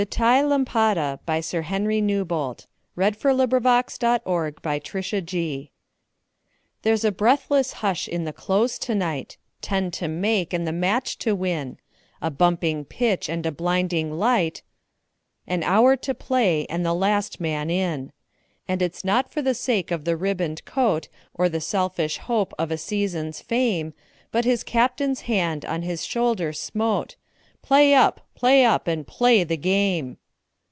Vitaï Lampada There's a breathless hush in the Close to night Ten to make and the match to win A bumping pitch and a blinding light, An hour to play and the last man in. And it's not for the sake of a ribboned coat, Or the selfish hope of a season's fame, But his Captain's hand on his shoulder smote "Play up! play up! and play the game!"